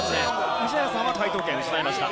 宇治原さんは解答権を失いました。